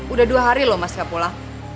udah dua hari loh mas kapola